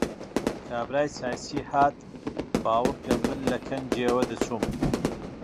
کابرای چاییچی هات، باوەڕ کە من لە کنگیەوە دەچووم!